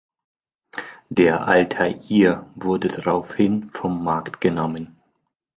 Der Altair wurde daraufhin vom Markt genommen.